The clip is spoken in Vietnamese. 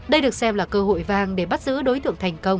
đây được xem là cơ hội vang để bắt giữ đối tượng thành công